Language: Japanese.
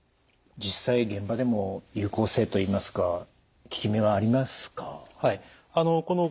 実際現場でも有効性といいますか効き目はありますか？